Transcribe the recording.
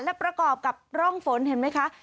และประกอบกับร่องฝนเห็นไหมคะ